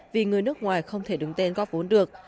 vì người nước ngoài không thể đứng tên góp vốn được